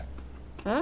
うん？